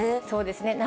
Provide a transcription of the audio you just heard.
そうですね。